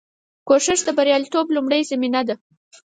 کوشش د بریالیتوب لومړۍ زینه ده.